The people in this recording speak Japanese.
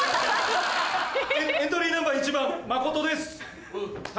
エントリーナンバー１番マコトです。